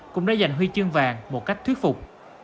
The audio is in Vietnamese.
cũng đã dành huy chương bạc một cách thuyết phục